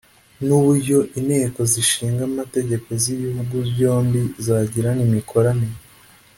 n’uburyo Inteko zishinga Amategeko z’ibihugu byombi zagirana imikoranire